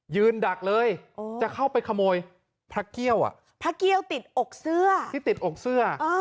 ยืนดักเลยจะเข้าไปขโมยพระเกี้ยวพระเกี้ยวติดอกเสื้อ